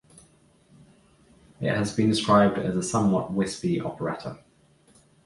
It has been described as a somewhat wispy operetta.